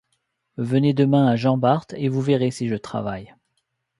Venez demain à Jean-Bart, et vous verrez si je travaille!...